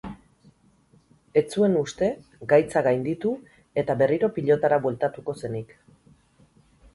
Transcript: Ez zuen uste gaitza gainditu eta berriro pilotara bueltatuko zenik.